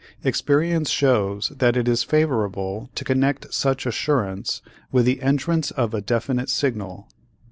Experience shows that it is favorable to connect such assurance with the entrance of a definite signal.